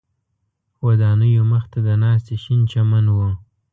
ودانیو مخ ته د ناستي شین چمن و.